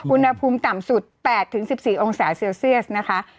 อุณหภูมิต่ำสุด๘๑๔องศาเซลเซียสนะคะ